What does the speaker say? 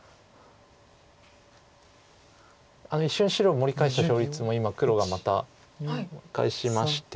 一瞬白盛り返した勝率も今黒がまた返しまして。